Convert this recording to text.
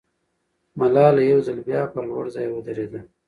ملاله یو ځل بیا پر لوړ ځای ودرېده.